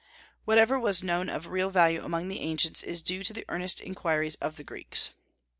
Whatever was known of real value among the ancients is due to the earnest inquiries of the Greeks.